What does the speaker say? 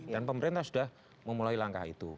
dan pemerintah sudah memulai langkah itu